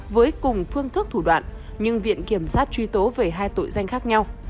với cùng phương thức thủ đoạn nhưng viện kiểm sát truy tố về hai tội danh khác nhau